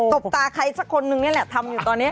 บตาใครสักคนนึงนี่แหละทำอยู่ตอนนี้